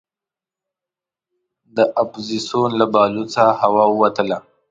د اپوزیسون له بالون څخه هوا ووتله.